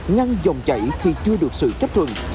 ngăn dòng chảy khi chưa được sự chấp thuận